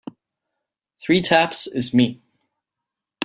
Three taps is me.